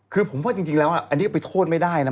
คือผมว่าจริงแล้วอันนี้ก็ไปโทษไม่ได้นะ